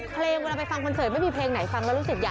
เพลงนี้แหละ